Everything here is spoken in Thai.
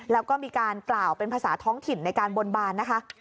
แล้วก็มีการกล่าวเป็นภาษาท้องถิ่นในการบนบานนะคะ